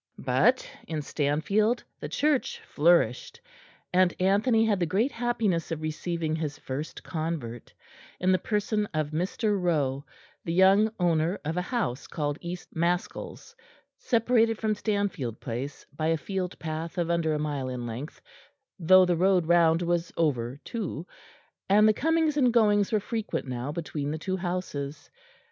But in Stanfield the Church flourished, and Anthony had the great happiness of receiving his first convert in the person of Mr. Rowe, the young owner of a house called East Maskells, separated from Stanfield Place by a field path of under a mile in length, though the road round was over two; and the comings and goings were frequent now between the two houses.